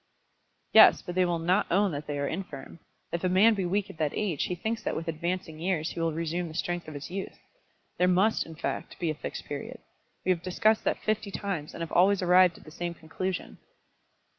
"Yes; but they will not own that they are infirm. If a man be weak at that age, he thinks that with advancing years he will resume the strength of his youth. There must, in fact, be a Fixed Period. We have discussed that fifty times, and have always arrived at the same conclusion."